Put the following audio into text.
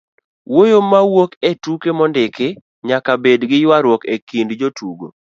wuoyo mawuok e tuke mondiki nyaka bed gi ywaruok e kind jotuko